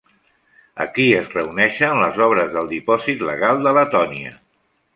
Aquí es reuneixen les obres del dipòsit legal de Letònia.